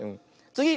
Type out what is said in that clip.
つぎ！